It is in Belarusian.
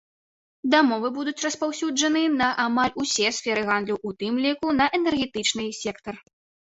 Дамовы будуць распаўсюджаны на амаль усе сферы гандлю, у тым ліку на энергетычны сектар.